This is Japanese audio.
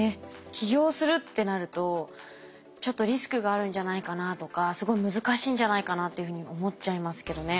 起業するってなるとちょっとリスクがあるんじゃないかなとかすごい難しいんじゃないかなっていうふうに思っちゃいますけどね。